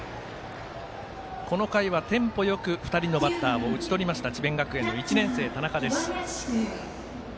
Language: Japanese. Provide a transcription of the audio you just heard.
この回はテンポよく２人のバッターを打ち取りました智弁学園の１年生、田中です。